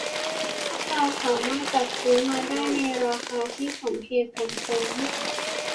ถ้าเราสามารถจัดซื้อมาในราคาที่สมเหตุสมผล